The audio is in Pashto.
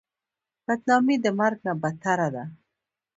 بدنامي د مرګ نه بدتره ده.